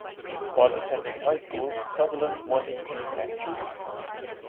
While attending high school Sutherland wanted to be an actress.